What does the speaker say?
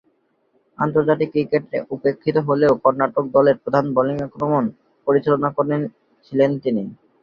আন্তর্জাতিক ক্রিকেটে উপেক্ষিত হলেও কর্ণাটক দলের প্রধান বোলিং আক্রমণ পরিচালনাকারী ছিলেন তিনি।